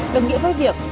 đồng nghĩa với việc